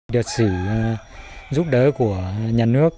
được xử giúp đỡ của nhà nước